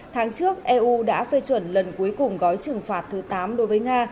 tháng trước eu đã phê chuẩn lần cuối cùng gói trừng phạt thứ tám đối với nga